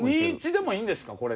２：１でもいいんですか？